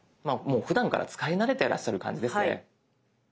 もうふだんから使い慣れてらっしゃる感じですね。